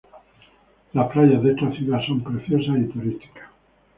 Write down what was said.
Las playas de esta ciudad son preciosas y turísticas.